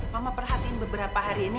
mama perhatiin beberapa hari ini